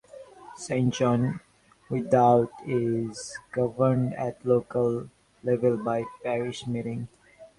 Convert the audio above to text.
Saint John Without is governed at local level by a parish meeting.